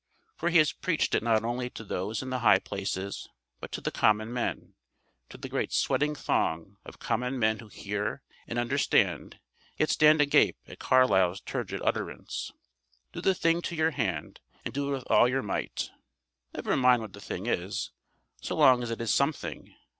For he has preached it not only to those in the high places, but to the common men, to the great sweating thong of common men who hear and understand yet stand agape at Carlyle's turgid utterance. Do the thing to your hand, and do it with all your might. Never mind what the thing is; so long as it is something.